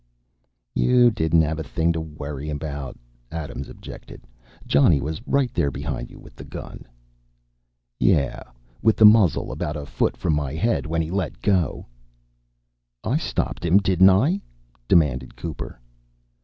"You didn't have a thing to worry about," Adams objected. "Johnny was right there behind you with the gun." "Yeah, with the muzzle about a foot from my head when he let go." "I stopped him, didn't I?" demanded Cooper.